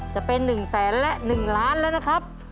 จะเป็น๑แสนและ๑ล้านแล้วนะครับ